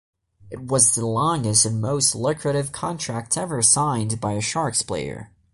It was the longest and most lucrative contract ever signed by a Sharks player.